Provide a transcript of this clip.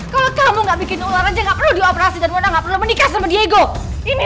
kalau kamu nggak bikin ular aja nggak perlu dioperasi dan menanggap menikah sama diego ini